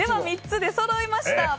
３つ出そろいました。